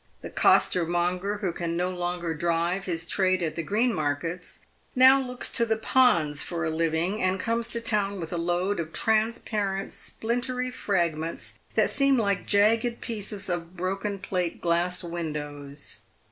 The costermonger who can no longer drive his trade at the green markets, now looks to the ponds for a living, and comes to town with a load of transparent splintery fragments, that seem like jagged pieces of broken plate glass windows.